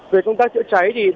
về công tác chữa cháy